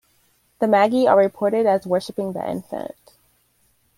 The Magi are reported as worshiping the infant.